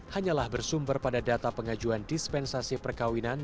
hanyalah bersumber pada data pengajuan dispensasi perkawinan